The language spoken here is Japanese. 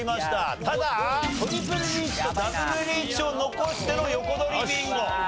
ただトリプルリーチとダブルリーチを残しての横取りビンゴ。